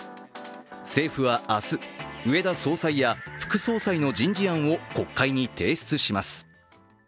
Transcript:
政府は明日、植田総裁や副総裁の人事案を国会に提出します。